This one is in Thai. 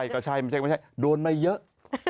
ก็ใช่ไม่ใช่โดนมาเยอะ